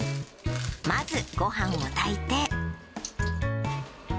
まずご飯を炊いて。